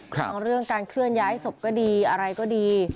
เรื่องการเคลื่อนย้ายศพก็ดีอะไรก็ดี